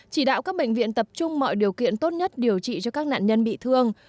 chỉ đạo các bệnh viện tập trung mọi điều kiện tốt nhất điều trị cho các nạn nhân bị thương